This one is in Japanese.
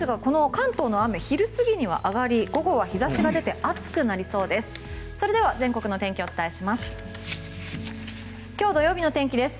関東の雨昼過ぎには上がり午後には暑くなりそうです。